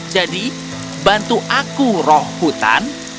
jadi bantu aku roh hutan